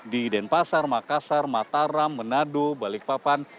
di denpasar makassar mataram manado balikpapan